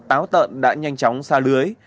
táo tợn đã nhanh chóng xa lưới